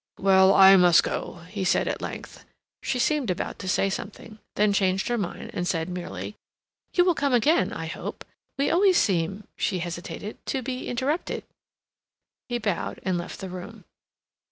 "Well, I must go," he said at length. She seemed about to say something, then changed her mind and said merely: "You will come again, I hope. We always seem"—she hesitated—"to be interrupted." He bowed and left the room.